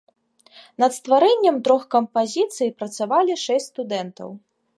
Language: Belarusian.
Над стварэннем трох кампазіцый працавалі шэсць студэнтаў.